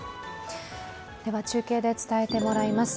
中継で伝えてもらいます。